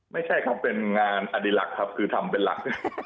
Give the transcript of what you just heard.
ไม่ใช่ครับเป็นงานอดีหลักครับคือทำเป็นหลัก